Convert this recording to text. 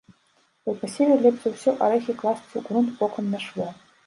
Пры пасеве лепш за ўсё арэхі класці ў грунт бокам на шво.